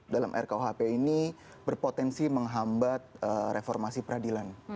dalam rkuhp ini berpotensi menghambat reformasi peradilan